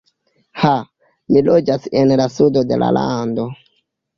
Ha, mi loĝas en la sudo de la lando.